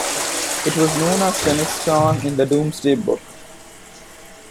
It was known as "Atenestone" in the Domesday Book.